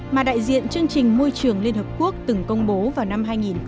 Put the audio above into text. mà đại diện chương trình môi trường liên hợp quốc từng công bố vào năm hai nghìn một mươi